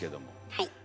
はい。